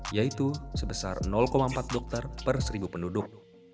yaitu sebesar empat dokter per seribu penduduk